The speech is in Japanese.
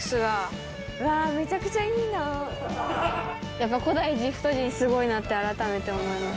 やっぱ古代エジプト人すごいなって改めて思います。